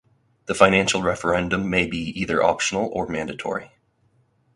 The financial referendum may be either optional or mandatory.